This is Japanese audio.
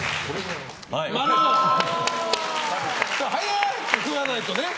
早く食べないとね。